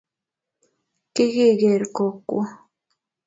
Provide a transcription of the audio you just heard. Kikiker Kokwo